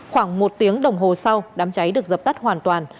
khoảng một tiếng đồng hồ sau đám cháy được dập tắt hoàn toàn